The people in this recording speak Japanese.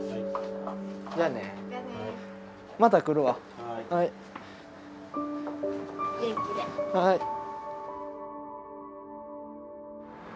はい。